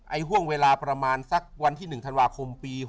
ห่วงเวลาประมาณสักวันที่๑ธันวาคมปี๖๐